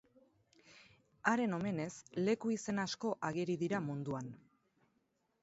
Haren omenez, leku izen asko ageri dira munduan.